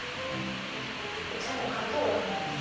ちゃんとかける感じですね。